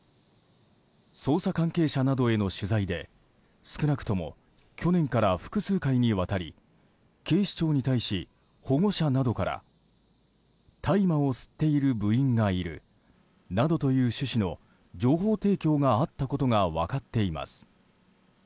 捜査関係者などへの取材で少なくとも去年から複数回にわたり警視庁に対し、保護者などから大麻を吸っている部員がいるなどという趣旨の情報提供があったことが分かっています。